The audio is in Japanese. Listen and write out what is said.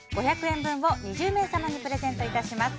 ５００円分を２０名様にプレゼントいたします。